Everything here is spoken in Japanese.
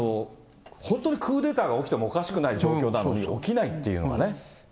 本当にクーデターが起きてもおかしくない状況なのに起きないっていうのがね。